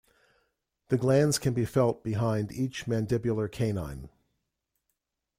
The glands can be felt behind each mandibular canine.